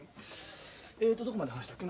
えっとどこまで話したっけな。